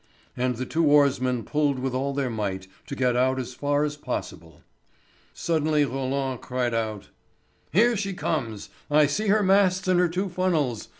And the two oarsmen pulled with all their might to get out as far as possible. Suddenly Roland cried out: "Here she comes! I see her masts and her two funnels!